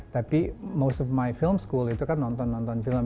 tapi kebanyakan sekolah film saya itu kan nonton nonton film